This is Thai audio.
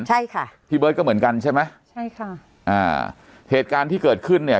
ใช่ค่ะพี่เบิร์ตก็เหมือนกันใช่ไหมใช่ค่ะอ่าเหตุการณ์ที่เกิดขึ้นเนี่ย